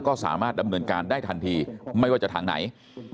ก็สามารถดำเนินการได้ทันทีไม่ว่าจะทางไหน